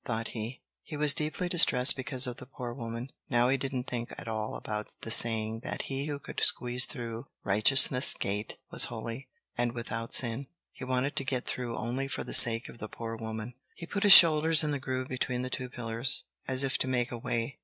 thought he. He was deeply distressed because of the poor woman. Now he didn't think at all about the saying that he who could squeeze through Righteousness' Gate was holy, and without sin. He wanted to get through only for the sake of the poor woman. He put his shoulder in the groove between the two pillars, as if to make a way.